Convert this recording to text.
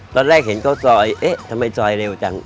ตอนแรกเห็นเข้าซอยเอ๊ะทำไมซอยเร็วจัง